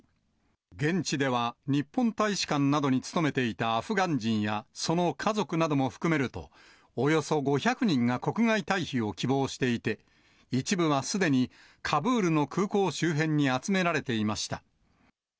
現地では、日本大使館などに勤めていたアフガン人やその家族なども含めると、およそ５００人が国外退避を希望していて、一部はすでにカブールの空港周辺に集められていました。